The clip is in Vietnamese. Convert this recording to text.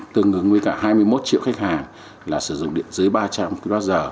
tương ứng với cả hai mươi một triệu khách hàng là sử dụng điện dưới ba trăm linh kwh